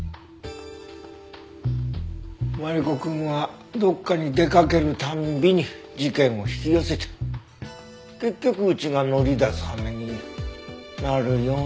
マリコくんはどこかに出かける度に事件を引き寄せて結局うちが乗り出す羽目になるような気がしてならないし。